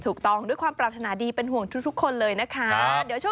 ถูกต้องด้วยความปรารถนาดีเป็นห่วงทุกคนเลยนะคะ